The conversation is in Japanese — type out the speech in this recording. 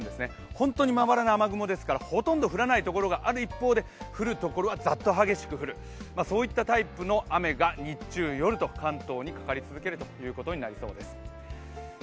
本当にまばらな雨雲ですからほとんど降らない所がある一方で降るところはざっと激しく降る、そういったタイプの雨が日中、夜と関東にかかり続けるということになりそうです。